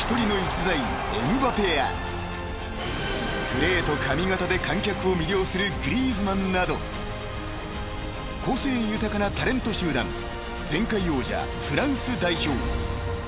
［プレーと髪形で観客を魅了するグリーズマンなど個性豊かなタレント集団前回王者フランス代表］